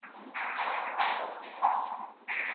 ساتونکی په خپله څوکۍ ناست دی.